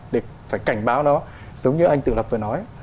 để phải cảnh báo nó giống như anh tự lập vừa nói